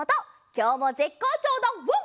きょうもぜっこうちょうだワン！